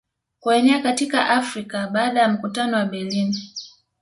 Kuenea katika Afrika baada ya mkutano wa Berlin